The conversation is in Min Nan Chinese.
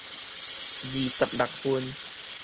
二十六份